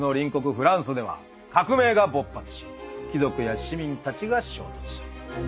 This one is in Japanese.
フランスでは革命が勃発し貴族や市民たちが衝突する。